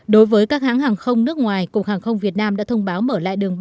đối với các hãng hàng không nước ngoài cục hàng không việt nam đã thông báo mở lại